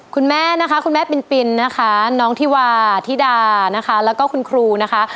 คุณแม่นะคะคุณแม่ปินนะคะน้องธิวาธิดานะคะแล้วก็คุณครูนะคะ